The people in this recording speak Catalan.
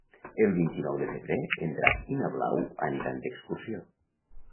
El vint-i-nou de febrer en Drac i na Blau aniran d'excursió.